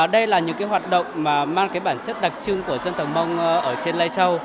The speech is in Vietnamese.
đây là những cái hoạt động mà mang cái bản chất đặc trưng của dân tộc mong ở trên lê châu